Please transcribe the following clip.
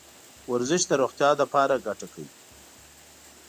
ورزش د روغتیا لپاره ګټه کوي .